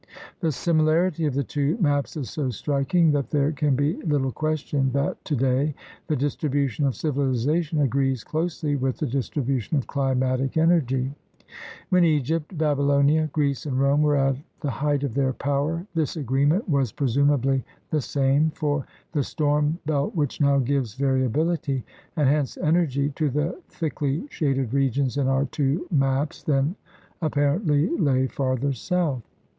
The similarity of the two maps is so striking that there can be little question that today the distribution of civilization agrees closely with the distribution of climatic energy. When Egypt, Babylonia, Greece, and Rome were at the height of 124 THE RED MAN'S CONTINENT their power this agreement was presumably the same, for the storm belt which now gives variabil ity and hence energy to the thickly shaded regions in our two maps then apparently lay farther south.